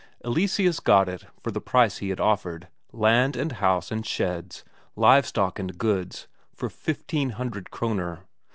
Eleseus got it for the price he had offered; land and house and sheds, live stock and goods, for fifteen hundred Kroner.